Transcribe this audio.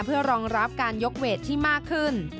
เพื่อรองรับการยกเวทที่มากขึ้น